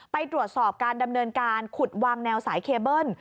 ไปตรวจสอบการดำเนินการขุดวางแนวสายเคเบิ้ล